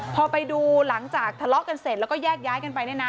พอไปดูหลังจากทะเลาะกันเสร็จแล้วก็แยกย้ายกันไปเนี่ยนะ